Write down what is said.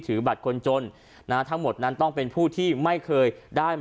บัตรคนจนนะฮะทั้งหมดนั้นต้องเป็นผู้ที่ไม่เคยได้